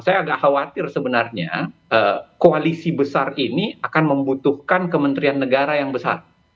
saya agak khawatir sebenarnya koalisi besar ini akan membutuhkan kementerian negara yang besar